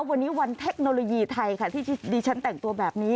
วันนี้วันเทคโนโลยีไทยค่ะที่ดิฉันแต่งตัวแบบนี้